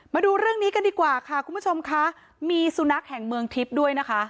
มาดูเรื่องนี้กันดีกว่าค่ะคุณผู้ชมค่ะมีสุนัขแห่งเมืองทิพย์ด้วยนะคะ